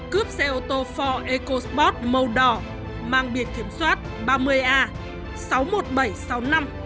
cướp xe ô tô ford ecosport màu đỏ mang biệt kiểm soát ba mươi a sáu mươi một nghìn bảy trăm sáu mươi năm